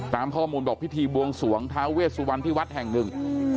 ตามข้อมูลบอกพิธีบวงสวงท้าเวสวันที่วัดแห่งหนึ่ง